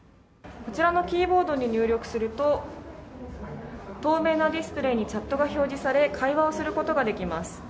こちらのキーボードに入力すると、透明なディスプレイにチャットが表示され、会話をすることができます。